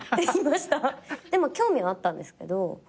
でも興味はあったんですけど。